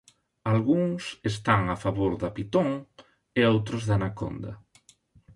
Algúns están a favor da pitón e outros da anaconda.